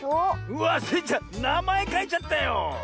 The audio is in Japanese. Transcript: うわスイちゃんなまえかいちゃったよ。